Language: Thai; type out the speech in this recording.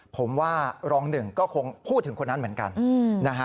ผมว่ารองหนึ่งก็คงพูดถึงคนนั้นเหมือนกันนะฮะ